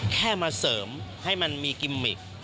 แค่มาเสริมให้มันมีกิมมิก